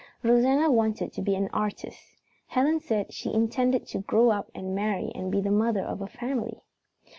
Rosanna wanted to be an artist. Helen said she intended to grow up and marry and be the mother of a family.